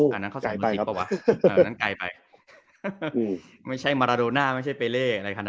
อันนั้นไม่ใช่น้อยมะสินะไม่ใช่มาตราโดน่าไม่ใช่เปเล